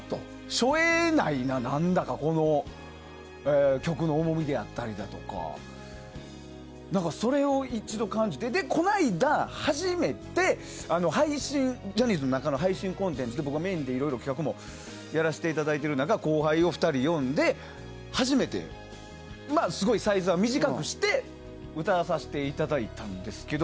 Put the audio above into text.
背負えないな、何だかこの曲の重みであったりとかそれを一度感じて、この間初めてジャニーズの中の配信コンテンツで僕がメインでいろいろ企画もやらせていただいている中後輩を２人呼んですごいサイズは短くして歌わせていただいたんですけど。